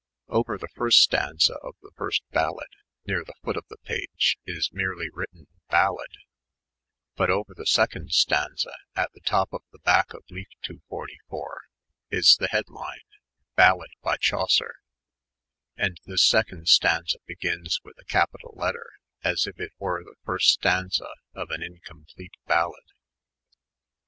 Orer the first stanza of the first Balade, near the foot of the page, is merelj written " Balade ;" but over the second stanza, at the top of the back of leaf 244, is the headline " Balade b; Chaucer," and this second stanza begins with a capital letter as if it were the first stanza of mi incomplete Balade.